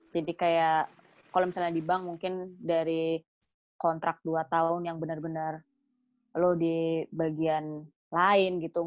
jadi kayak kalau misalnya di bank mungkin dari kontrak dua tahun yang benar benar lu di bagian lain gitu